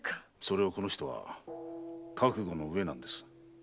それをこの人は覚悟のうえなんです。